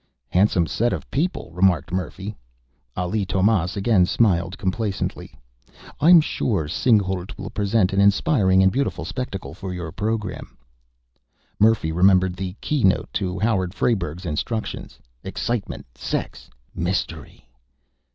"Handsome set of people," remarked Murphy. Ali Tomás again smiled complacently. "I'm sure Singhalût will present an inspiring and beautiful spectacle for your program." Murphy remembered the keynote to Howard Frayberg's instructions: "_Excitement! Sex! Mystery!